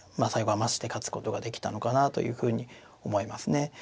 最後は余して勝つことができたのかなというふうに思いますね。